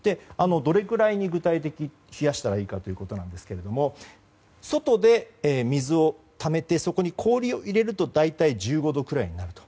どれくらい具体的に冷やしたらいいかですが外で水をためてそこに氷を入れると大体、１５度くらいになると。